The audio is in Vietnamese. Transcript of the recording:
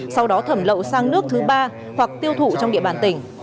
sau đó thẩm lậu sang nước thứ ba hoặc tiêu thụ trong địa bàn tỉnh